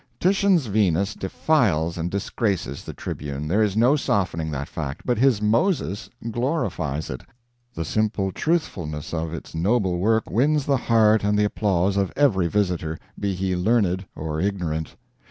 Titian's Venus defiles and disgraces the Tribune, there is no softening that fact, but his "Moses" glorifies it. The simple truthfulness of its noble work wins the heart and the applause of every visitor, be he learned or ignorant.